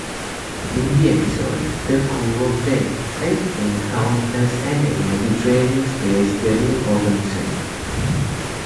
In the episode, the crew of the "Enterprise" encounters an energy-draining space-dwelling organism.